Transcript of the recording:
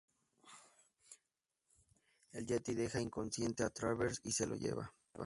El yeti deja inconsciente a Travers y se lo lleva.